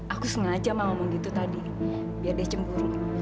aku sengaja mau ngomong gitu tadi biar dia cemburu